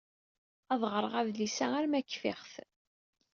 Ad ɣreɣ adlis-a arma kfiɣ-t.